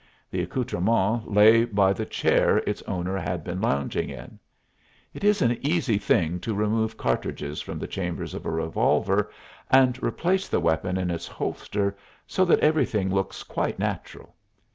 The accoutrement lay by the chair its owner had been lounging in. It is an easy thing to remove cartridges from the chambers of a revolver, and replace the weapon in its holster so that everything looks quite natural.